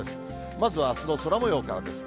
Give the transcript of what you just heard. まずはあすの空もようからです。